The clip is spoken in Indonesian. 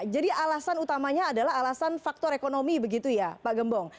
jadi alasan utamanya adalah alasan faktor ekonomi begitu ya pak gembong